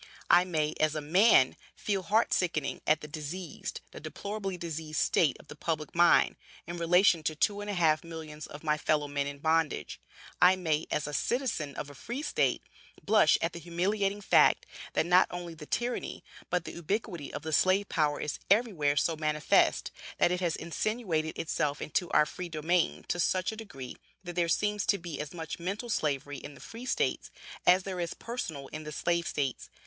I may, as a man, feel heart sickened at the diseased, the deplorably diseased state of the public mind, in relation to two and a half millions of my fellow men in bondage. I may, as a citizen of a Free state, blush at the humiliating fact, that not only the tyranny, but the ubiquity of the slave power is everywhere so manifest; that it has insinuated itself into our free domain to such a degree that there seems to be as much mental Slavery in the Free states, as there is personal in the Slave states.